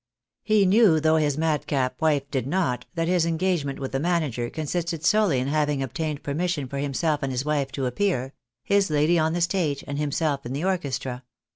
He knew, though his madcap wife did not, that his engagement with the manager consisted solely in having obtained permission for himself and his wife to appear — his lady on the stage, and himself in the orchestra.